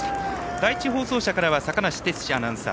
第１放送車からは坂梨哲士アナウンサー。